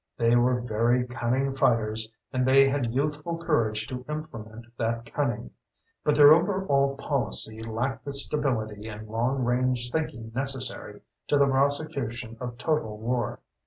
They were very cunning fighters and they had youthful courage to implement that cunning. But their overall policy lacked the stability and long range thinking necessary to the prosecution of total war.